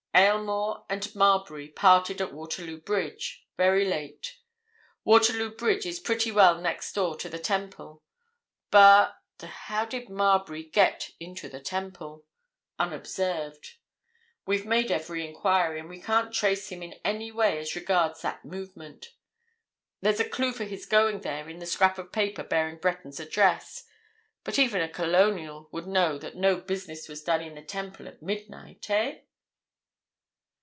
Aylmore and Marbury parted at Waterloo Bridge—very late. Waterloo Bridge is pretty well next door to the Temple. But—how did Marbury get into the Temple, unobserved? We've made every enquiry, and we can't trace him in any way as regards that movement. There's a clue for his going there in the scrap of paper bearing Breton's address, but even a Colonial would know that no business was done in the Temple at midnight, eh?"